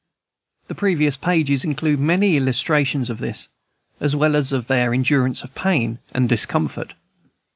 The previous pages include many illustrations of this, as well as of then: endurance of pain and discomfort.